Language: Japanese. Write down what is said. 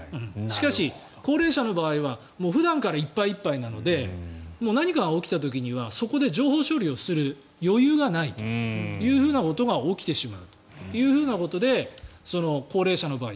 しかし、高齢者の場合は普段からいっぱいいっぱいなので何かが起きた時はそこで情報処理する余裕がないということが起きてしまうということで高齢者の場合。